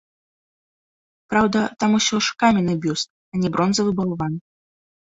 Праўда, там усё ж каменны бюст, а не бронзавы балван.